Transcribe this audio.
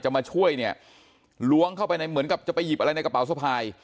มาช่วยเนี่ยล้วงเข้าไปในเหมือนกับจะไปหยิบอะไรในกระเป๋าสะพาย